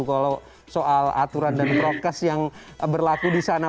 kalau soal aturan dan prokes yang berlaku di sana